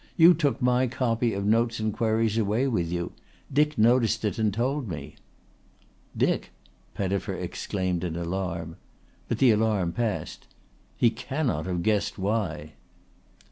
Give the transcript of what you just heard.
You took my copy of Notes and Queries away with you. Dick noticed it and told me." "Dick!" Pettifer exclaimed in alarm. But the alarm passed. "He cannot have guessed why."